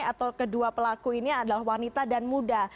atau kedua pelaku ini adalah wanita dan muda